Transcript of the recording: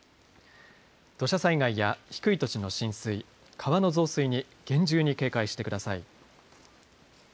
土砂災害や低い土地の浸水、川の増水に厳重に警戒してください。